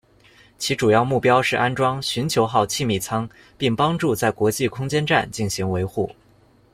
其主要目标是安装寻求号气密舱并帮助在国际空间站进行维护。